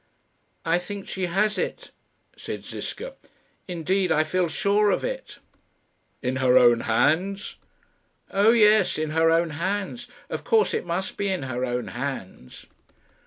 "I think she has it," said Ziska. "Indeed I feel sure of it." "In her own hands?" "Oh yes; in her own hands. Of course it must be in her own hands."